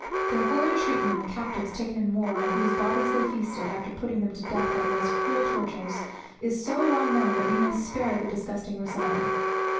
Their horrid treatment of captives taken in war, on whose bodies they feasted, after putting them to death by the most cruel tortures, is so well known, that we may spare the disgusting recital.